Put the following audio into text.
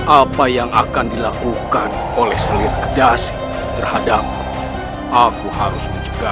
apa yang akan dilakukan oleh seluruh pedas terhadap aku harus menjaga